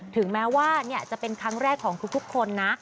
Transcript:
ถึงแม้ว่าจะเป็นครั้งแรกของทุกคนนะ